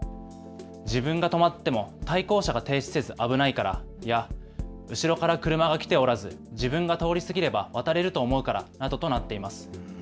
自分が止まっても対向車が停止せず危ないからや、後ろから車が来ておらず自分が通り過ぎれば渡れると思うからなどとなっています。